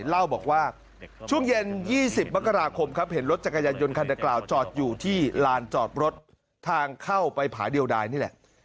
เล่าบอกว่าช่วงเย็น๒๐มกราคมครับเห็นรถจักรยานยนต์คันดังกล่าวจอดอยู่ที่ลานจอดรถทางเข้าไปผาเดียวดายนี่แหละ